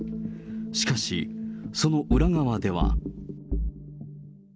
しかし、その裏側では。